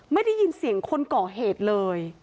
ไม่ได้ยินเสียงคนก่อเหตุเลย